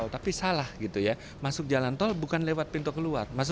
tapi salah gitu ya masuk jalan tol bukan lewat pintu keluar